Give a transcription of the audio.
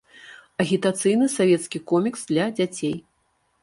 Агітацыйны савецкі комікс для дзяцей.